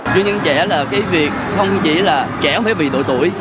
doanh nhân trẻ là cái việc không chỉ là trẻ không phải bị đội tuổi